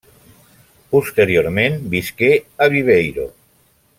Posteriorment visqué a Viveiro.